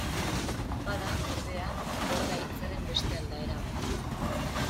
Bada ordea, borda hitzaren beste aldaera bat.